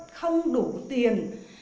không đủ tiền